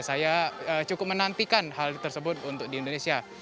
saya cukup menantikan hal tersebut untuk di indonesia